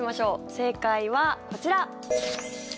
正解はこちら。